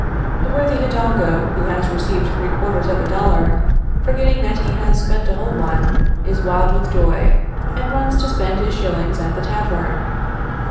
The worthy Hidalgo, who has received three quarters of a dollar, forgetting that he has spent a whole one, is wild with joy, and runs to spend his shillings at the tavern.